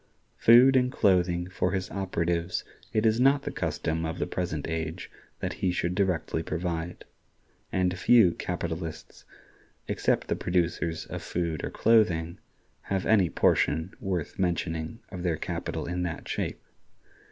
Food and clothing for his operatives it is not the custom of the present age that he should directly provide; and few capitalists, except the producers of food or clothing, have any portion worth mentioning of their capital in that shape.